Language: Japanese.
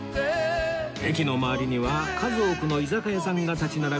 駅の周りには数多くの居酒屋さんが立ち並び